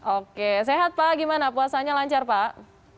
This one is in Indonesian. oke sehat pak gimana puasanya lancar pak